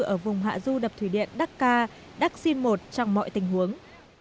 ở vùng hạ du đập thủy điện đắc ca đắc xin một trong mọi tình huống